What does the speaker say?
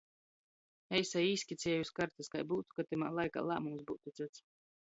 Eisai īskicieju iz kartis, kai byutu, ka tymā laikā lāmums byutu cyts.